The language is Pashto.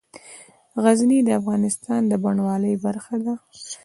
غزني د افغانستان د بڼوالۍ برخه ده.